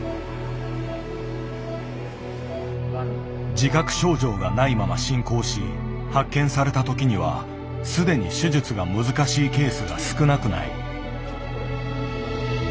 自覚症状がないまま進行し発見された時にはすでに手術が難しいケースが少なくない。